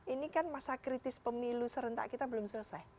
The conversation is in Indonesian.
ini kan masa kritis pemilu serentak kita belum selesai